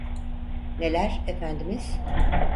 Neler, Efendimiz?